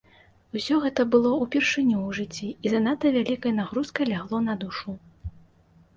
Усё гэта было ўпершыню ў жыцці і занадта вялікай нагрузкай лягло на душу.